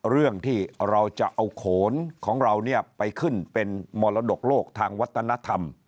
เรื่องที่เราจะเอาโขนของเราเนี่ยไปขึ้นเป็นมรดกโลกทางวัฒนธรรม